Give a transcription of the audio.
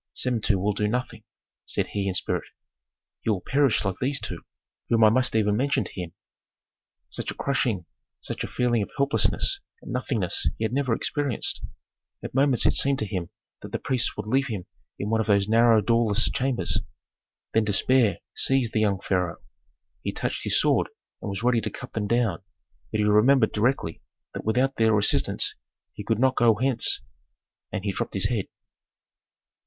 "Samentu will do nothing," said he in spirit. "He will perish like these two, whom I must even mention to him." Such a crushing, such a feeling of helplessness and nothingness he had never experienced. At moments it seemed to him that the priests would leave him in one of those narrow doorless chambers. Then despair seized the young pharaoh; he touched his sword and was ready to cut them down. But he remembered directly that without their assistance he could not go hence, and he dropped his head.